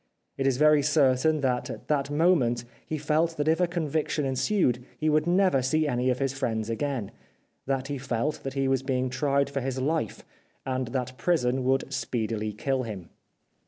It is very certain 367 The Life of Oscar Wilde that at that moment he felt that if a conviction ensued he would never see any of his friends again ; that he felt that he was being tried for his hfe, and that prison would speedily kill him.